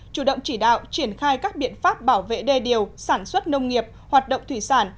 chủ động chỉ đạo triển khai các biện pháp bảo vệ đê điều sản xuất nông nghiệp hoạt động thủy sản